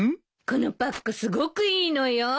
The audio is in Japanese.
このパックすごくいいのよ。